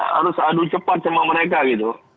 harus adu cepat sama mereka gitu